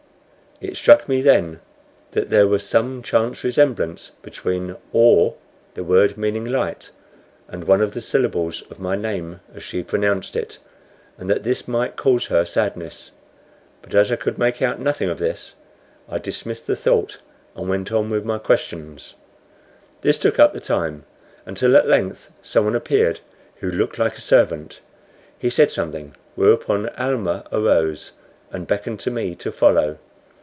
It struck me then that there was some chance resemblance between "or," the word meaning "light," and one of the syllables of my name as she pronounced it, and that this might cause her sadness; but as I could make out nothing of this, I dismissed the thought, and went on with my questions. This took up the time, until at length someone appeared who looked like a servant. He said something, whereupon Almah arose and beckoned to me to follow.